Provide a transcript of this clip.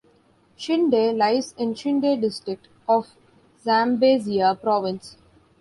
Chinde lies in Chinde District of Zambezia Province.